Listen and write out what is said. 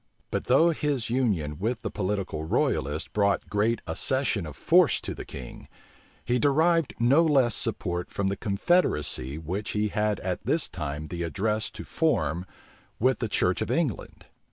But though his union with the political royalists brought great accession of force to the king, he derived no less support from the confederacy which he had at this time the address to form with the church of England.